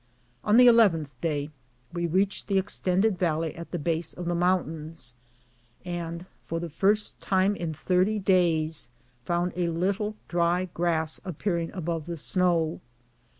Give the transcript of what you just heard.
On the eleventh day we reached the extended valley at the base of the mountains, and, for the first time in thirty days, found a little dry grass appearing above the snow.